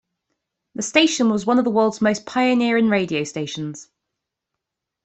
The station was one of the world's most pioneering radio stations.